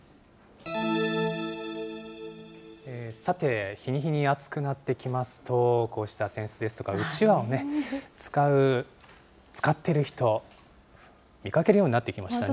さて、日に日に暑くなってきますと、こうした扇子ですとか、うちわを使う、使っている人、見かけるようになってきましたね。